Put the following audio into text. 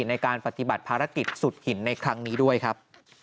ในการปฏิบัติภารกิจสุดหินในครั้งนี้ด้วยครับ